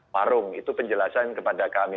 warung itu penjelasan kepada kami